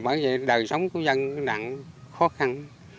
bởi vậy đời sống của dân đang khó khăn